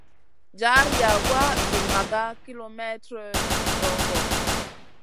Jar yagoua zi maga kilemètre dogo.